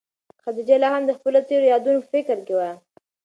خدیجه لا هم د خپلو تېرو یادونو په فکر کې وه.